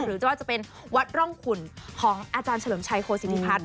หรือจะว่าจะเป็นวัดร่องขุ่นของอาจารย์เฉลิมชัยโฆษิภาษณ์